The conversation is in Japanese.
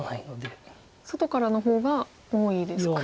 外からの方が多いですか。